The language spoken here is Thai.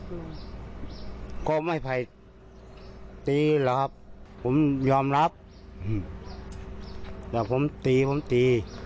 คือก็ไม่ภัยตีหรอครับผมยอมรับแต่ผมตีผมตี